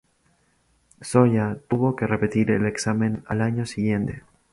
Zoya tuvo que repetir el examen al año siguiente.